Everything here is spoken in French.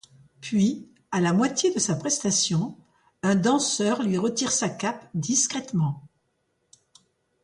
Puis, à la moitié de sa prestation, un danseur lui retire sa cape discrètement.